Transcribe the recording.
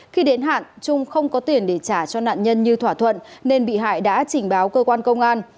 khi đến hạn trung không có tiền để trả cho nạn nhân như thỏa thuận nên bị hại đã trình báo cơ quan công an